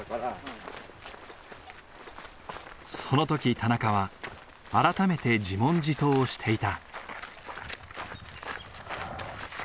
その時田中は改めて自問自答をしていた。